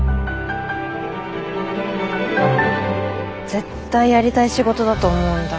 絶対やりたい仕事だと思うんだ。